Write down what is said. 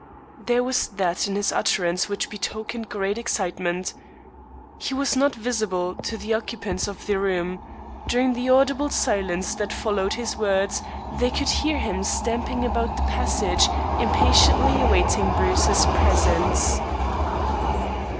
There was that in his utterance which betokened great excitement. He was not visible to the occupants of the room. During the audible silence that followed his words, they could hear him stamping about the passage, impatiently awaiting Bruce's presence.